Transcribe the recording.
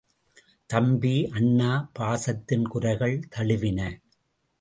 தம்பி! அண்ணா! பாசத்தின் குரல்கள் தழுவின.